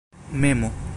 memo